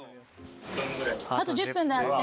あと１０分だって。